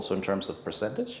juga berdasarkan persentase